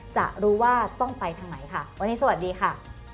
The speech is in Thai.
จะรู้ว่าต้องไปทางไหนค่ะ